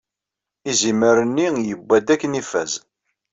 Izimer-nni yewwa-d akken ifaz.